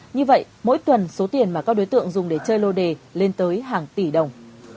như vậy mỗi tuần số tiền mà các đối tượng dùng để chơi lô đề lên tới hàng tỷ đồng